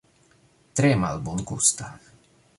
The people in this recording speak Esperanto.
Tre malbongusta.